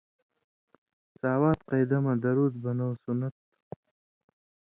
ساواتیۡ قَیدہ مہ درُود بنؤں سُنّت تھُو۔